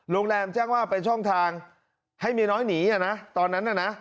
โรงแรมแจ้งว่าเป็นช่องทางให้เมียน้อยหนีอ่ะนะตอนนั้นน่ะนะ